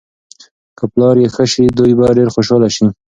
که پلار یې ښه شي، دوی به ډېر خوشحاله شي.